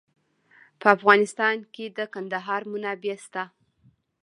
په افغانستان کې د کندهار منابع شته.